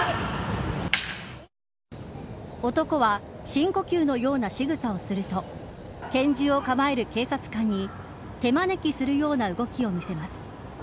男は深呼吸のようなしぐさをすると拳銃を構える警察官に手招きするような動きを見せます。